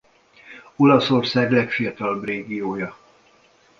Olaszország legfiatalabb régiója.